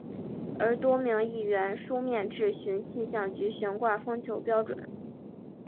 而多名议员书面质询气象局悬挂风球标准。